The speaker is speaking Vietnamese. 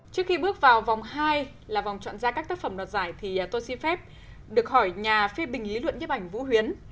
trước khi bước vào vòng hai là vòng chọn ra các tác phẩm đoạt giải thì tôi xin phép được hỏi nhà phê bình lý luận nhếp ảnh vũ huyến